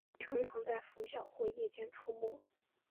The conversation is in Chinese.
成虫在拂晓或夜间出没。